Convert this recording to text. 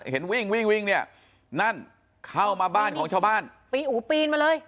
เห็นวิ่งนี่นั่นเข้ามาบ้านของชาวบ้านอู๋ปีนมาเลย